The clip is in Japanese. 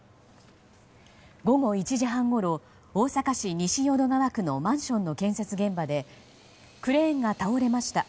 午後１時半ごろ大阪市西淀川区のマンションの建設現場でクレーンが倒れました。